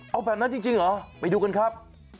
เอาแบบนั้นจริงเหรอไปดูกันครับ